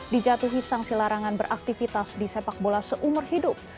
dijatuhi sanksi larangan beraktivitas di sepak bola seumur hidup